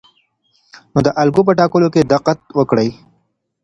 نو د الګو په ټاکلو کې دقت وکړئ.